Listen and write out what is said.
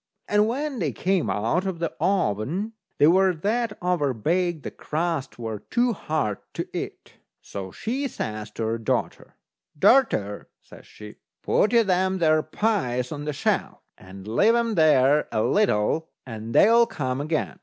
And when they came out of the oven, they were that over baked the crusts were too hard to eat. So she says to her daughter: "Darter," says she, "put you them there pies on the shelf, and leave 'em there a little, and they'll come again."